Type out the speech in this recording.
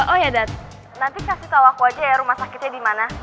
oh iya dad nanti kasih tau aku aja ya rumah sakitnya dimana